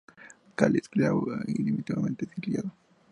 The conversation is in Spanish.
Cáliz glabro o diminutamente ciliado.